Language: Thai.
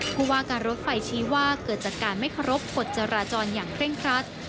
ผู้ว่าการรถไฟชี้ว่าเกิดจากการไม่เคารพกฎจราจรอย่างเคร่งครัด